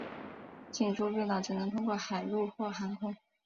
进出冰岛只能通过海路或航空。